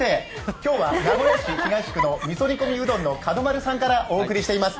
今日は名古屋市東区のみそ煮込みうどんの角丸さんからお送りしています。